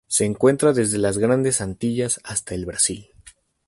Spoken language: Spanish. Se encuentra desde las Grandes Antillas hasta el Brasil.